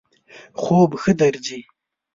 خوب ښه درځی؟